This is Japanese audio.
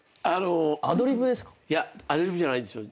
いやアドリブじゃないんですよ。